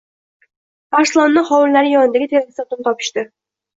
Arslonni hovlilari yaqinidagi terakzordan topishdi.